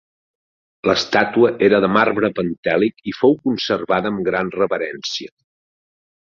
L'estàtua era de marbre pentèlic i fou conservada amb gran reverència.